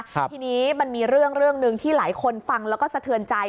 ทีนี้มันมีเรื่องนึงที่หลายคนฟังแล้วก็สะเทินใจ